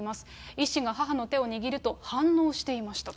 医師が母の手を握ると、反応していましたと。